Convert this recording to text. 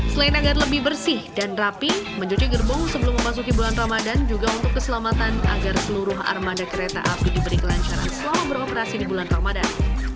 selain agar lebih bersih dan rapi mencuci gerbong sebelum memasuki bulan ramadan juga untuk keselamatan agar seluruh armada kereta api diberi kelancaran selama beroperasi di bulan ramadan